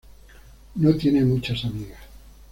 No tiene muchas amigas.